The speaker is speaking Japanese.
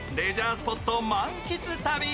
スポット満喫旅。